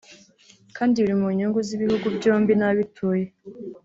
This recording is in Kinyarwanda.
kandi biri mu nyungu z’ibihugu byombi n’ababituye